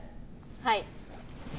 はい。